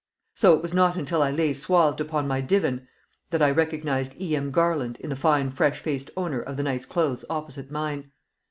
So it was not until I lay swathed upon my divan that I recognised E.M. Garland in the fine fresh faced owner of the nice clothes opposite mine.